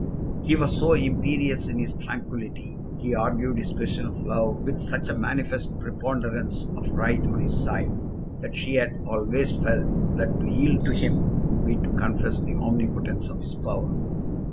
He was so imperious in his tranquillity, he argued his question of love with such a manifest preponderance of right on his side, that she had always felt that to yield to him would be to confess the omnipotence of his power.